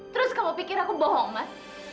terus kalau pikir aku bohong mas